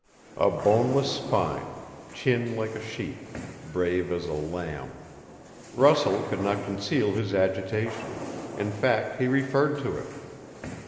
"A boneless spine chin like a sheep brave as a lamb." Russell could not conceal his agitation. In fact, he referred to it.